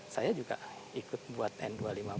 saya juga ikut buat n dua ratus lima puluh